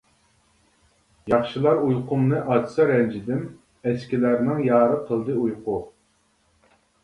ياخشىلار ئۇيقۇمنى ئاچسا رەنجىدىم، ئەسكىلەرنىڭ يارى قىلدى ئۇيقۇ.